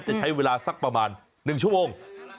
จะใช้เวลาสักประมาณ๑ชั่วโมง